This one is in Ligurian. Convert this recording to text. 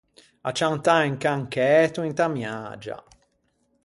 Acciantâ un cancæto inta miagia.